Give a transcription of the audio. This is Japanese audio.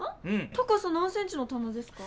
高さ何センチのたなですか？